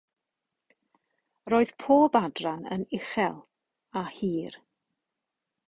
Roedd pob adran yn uchel, a hir.